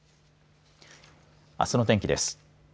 あすの天気です。